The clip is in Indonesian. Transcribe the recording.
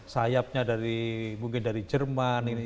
sayapnya dari mungkin dari jerman ini